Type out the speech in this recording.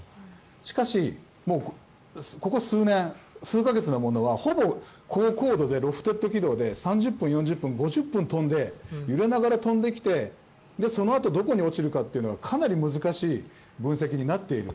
しかしここ数年、数か月のものはほぼ高高度でロフテッド軌道で３０分、４０分、５０分飛んで揺れながら飛んできてそのあとどこに落ちるかというのがかなり難しい分析になっている。